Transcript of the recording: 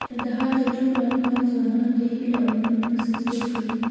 کندهار د ټولو افغان ځوانانو د هیلو او ارمانونو استازیتوب کوي.